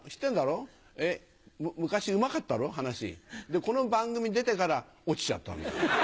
この番組出てから落ちちゃったんだよ。